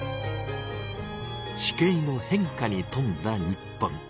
地形の変化にとんだ日本。